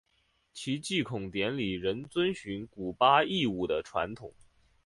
其祭孔典礼仍遵循古八佾舞的传统。